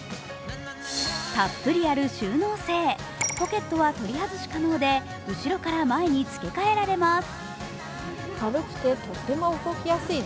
たっぷりある収納性、ポケットは取り外し可能で後ろから前につけ変えられます。